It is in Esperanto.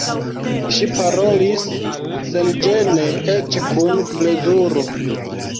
Ŝi parolis senĝene, eĉ kun plezuro.